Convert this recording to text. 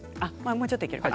もうちょっといけるかな。